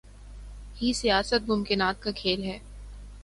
ہی سیاست ممکنات کا کھیل ہے۔